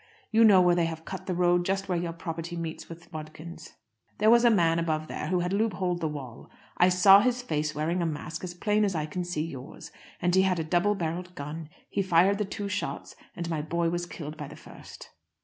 "You know where they have cut the road just where your property meres with Bodkin's. There was a man above there who had loop holed the wall. I saw his face wearing a mask as plain as I can see yours. And he had a double barrelled gun. He fired the two shots, and my boy was killed by the first."